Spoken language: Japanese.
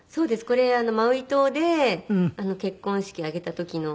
これマウイ島で結婚式挙げた時の。